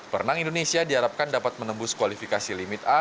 perenang indonesia diharapkan dapat menembus kualifikasi limit a